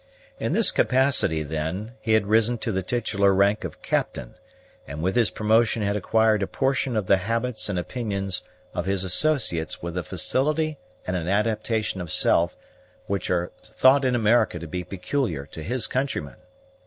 In this capacity, then, he had risen to the titular rank of captain; and with his promotion had acquired a portion of the habits and opinions of his associates with a facility and an adaptation of self which are thought in America to be peculiar to his countrymen.